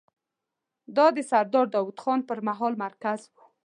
دا د سردار داوود خان پر مهال مرکز و.